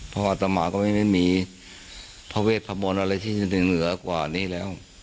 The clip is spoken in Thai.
เพราะอาตมาก็ไม่มีพระเวทะมนต์อะไรที่จะถึงเหนือกว่านี้แล้ว